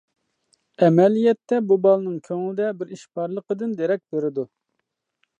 ئەمەلىيەتتە بۇ بالىنىڭ كۆڭلىدە بىر ئىش بارلىقىدىن دېرەك بېرىدۇ.